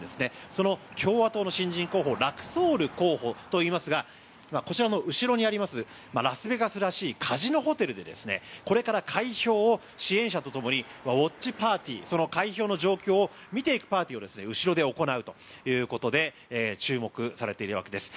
その共和党の新人候補ラクソール候補といいますがこちらの後ろにありますラスベガスらしいカジノホテルでこれから開票を支援者とともにウォッチパーティー開票の状況を見ていくパーティーを後ろで行うということで注目されているわけです。